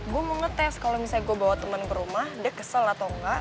gue mau ngetes kalau misalnya gue bawa teman ke rumah dia kesel atau enggak